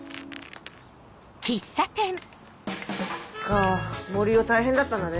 そっか森生大変だったんだね。